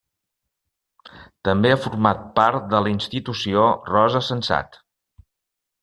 També ha format part de la Institució Rosa Sensat.